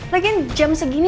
lagian jam segini